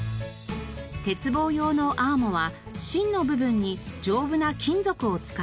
鉄棒用のアーモは芯の部分に丈夫な金属を使っています。